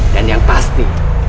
dan yang pasti